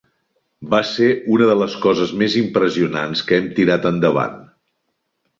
Va ser una de les coses més impressionants que hem tirat endavant.